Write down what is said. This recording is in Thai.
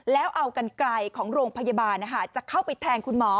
แล้วเอากันไกลของโรงพยาบาลจะเข้าไปแทงคุณหมอ